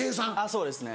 そうですね。